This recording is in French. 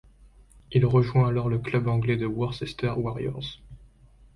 Il rejoint alors le club anglais de Worcester Warriors.